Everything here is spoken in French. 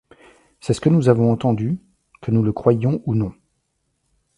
C'est ce que nous avons entendu, que nous le croyions ou non.